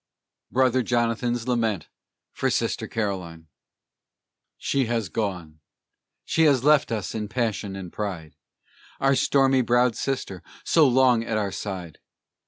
BROTHER JONATHAN'S LAMENT FOR SISTER CAROLINE She has gone, she has left us in passion and pride, Our stormy browed sister, so long at our side!